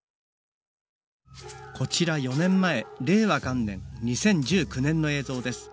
こちら４年前令和元年２０１９年の映像です。